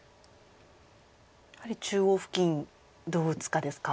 やはり中央付近どう打つかですか。